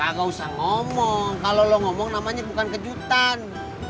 nggak usah ngomong kalau ngomong namanya bukan kejutan